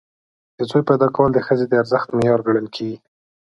د زوی پیدا کول د ښځې د ارزښت معیار ګڼل کېږي.